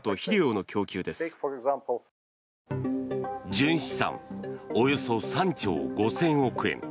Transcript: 純資産およそ３兆５０００億円。